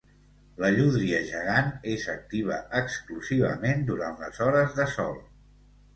La llúdria gegant és activa exclusivament durant les hores de sol.